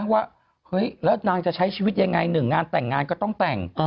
ว่าเฮ้ยแล้วนางจะใช้ชีวิตยังไงหนึ่งงานแต่งงานก็ต้องแต่ง